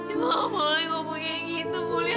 ibu tidak boleh ngomong seperti itu bu liya